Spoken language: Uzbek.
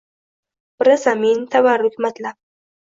Biri zamin, tabarruk matlab